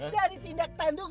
dari tindak tandung